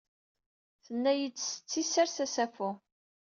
Tenna-id setti, ssers assafu